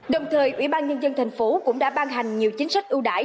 đồng thời ủy ban nhân dân thành phố cũng đã ban hành nhiều chính sách ưu đại